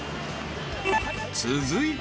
［続いて］